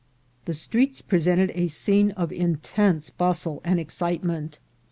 The streets presented a scene of intense bustle and excitement.